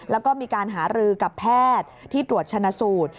แล้วก็มีการหารือกับแพทย์ที่ตรวจชนะสูตร